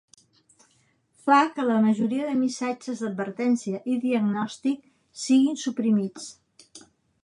Fa que la majoria de missatges d'advertència i diagnòstic siguin suprimits.